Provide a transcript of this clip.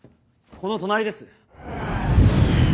この隣です。